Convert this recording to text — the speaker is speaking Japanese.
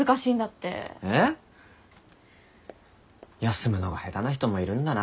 休むのが下手な人もいるんだな。